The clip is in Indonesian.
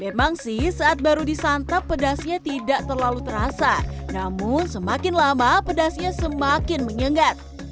emang sih saat baru disantap pedasnya tidak terlalu terasa namun semakin lama pedasnya semakin menyengat